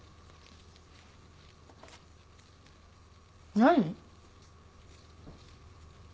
何？